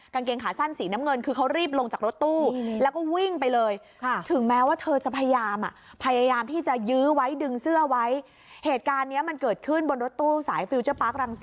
กางเกงขาสั้นสีน้ำเงินคือเขารีบลงจากรถตู้แล้วก็วิ่งไปเลยถึงแม้ว่าเธอจะพยายามคริซ